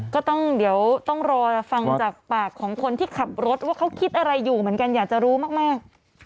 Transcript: ก็ต้องเดี๋ยวต้องรอฟังจากปากของคนที่ขับรถว่าเขาคิดอะไรอยู่เหมือนกันอยากจะรู้มาก